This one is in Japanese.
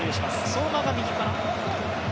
相馬が右かな。